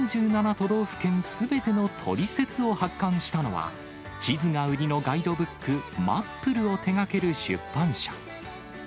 都道府県すべてのトリセツを発刊したのは、地図が売りのガイドブック、まっぷるを手がける出版社。